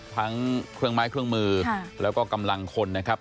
ทั้งเครื่องไม้เครื่องมือแล้วก็กำลังคนนะครับ